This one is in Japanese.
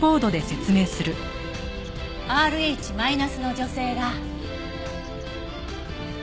Ｒｈマイナスの女性が。